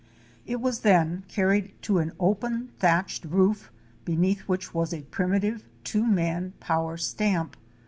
It was then carried to an open thatched roof be neath which was a primitive, two man power stamp.